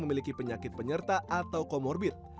memiliki penyakit penyerta atau comorbid